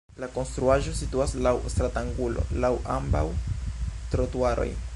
La konstruaĵo situas laŭ stratangulo laŭ ambaŭ trotuaroj.